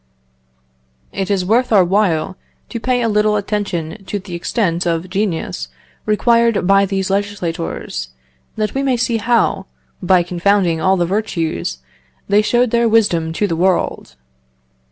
"It is worth our while to pay a little attention to the extent of genius required by these legislators, that we may see how, by confounding all the virtues, they showed their wisdom to the world.